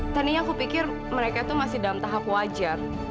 ternyata aku pikir mereka tuh masih dalam tahap wajar